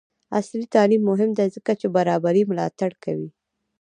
عصري تعلیم مهم دی ځکه چې برابري ملاتړ کوي.